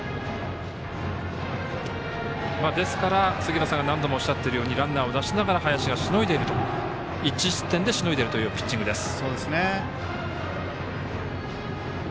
ですから、杉浦さんが何度もおっしゃっているようにランナーを出しながら、林が１失点でしのいでいるというピッチングです。